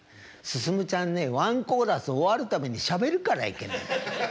「すすむちゃんね１コーラス終わる度にしゃべるからいけない。